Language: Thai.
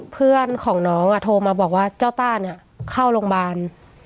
เพื่อนของน้องโทรมาบอกว่าเจ้าต้าเนี่ยเข้าโรงพยาบาล